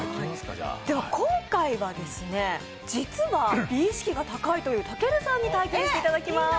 でも今回は実は美意識が高いというたけるさんに体験していただきます。